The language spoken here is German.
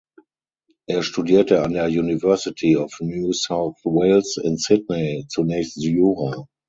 Er studierte an der University of New South Wales in Sydney zunächst Jura.